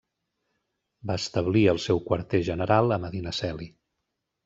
Va establir el seu quarter general a Medinaceli.